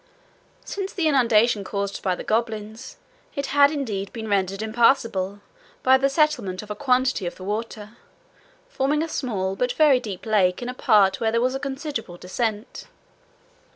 Since the inundation caused by the goblins, it had indeed been rendered impassable by the settlement of a quantity of the water, forming a small but very deep lake, in a part where there was a considerable descent.